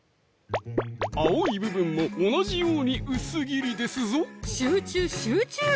青い部分も同じように薄切りですぞ集中集中！